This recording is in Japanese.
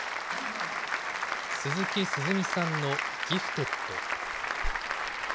鈴木涼美さんのギフテッド。